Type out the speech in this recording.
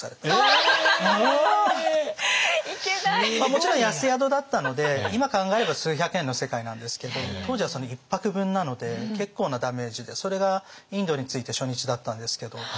もちろん安宿だったので今考えれば数百円の世界なんですけど当時は１泊分なので結構なダメージでそれがインドに着いて初日だったんですけど。